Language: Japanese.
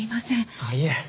ああいえ。